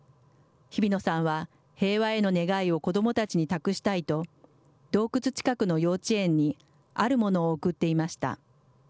日比野さんは、平和への願いを子どもたちに託したいと、洞窟近くの幼稚園に、あるものを贈っていました。